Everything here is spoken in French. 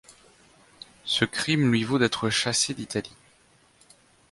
Ce crime lui vaut d’être chassé d’Italie.